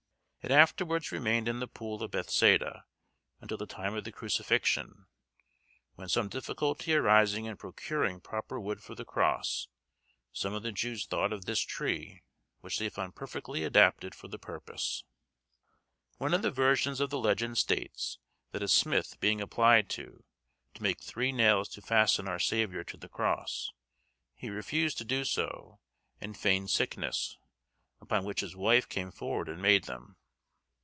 It afterwards remained in the pool of Bethesda until the time of the crucifixion, when some difficulty arising in procuring proper wood for the cross, some of the Jews thought of this tree, which they found perfectly adapted for the purpose. One of the versions of the legend states, that a smith being applied to, to make three nails to fasten our Saviour to the cross, he refused to do so, and feigned sickness, upon which his wife came forward and made them.